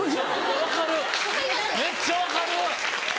分かるめっちゃ分かる。